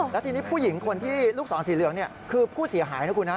แล้วทีนี้ผู้หญิงคนที่ลูกศรสีเหลืองคือผู้เสียหายนะคุณนะ